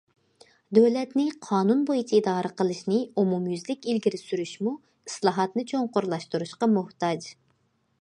دۆلەتنى قانۇن بويىچە ئىدارە قىلىشنى ئومۇميۈزلۈك ئىلگىرى سۈرۈشمۇ ئىسلاھاتنى چوڭقۇرلاشتۇرۇشقا موھتاج.